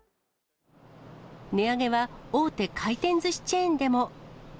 値上げは大手回転ずしチェーンでも。